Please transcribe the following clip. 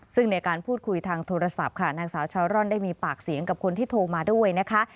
ซึ่งในการพูดคุยทางโทรศัพท์ค่ะนางสาวชาวร่อนได้มีปากเสียงกับคนที่โทรมาด้วยนะคะ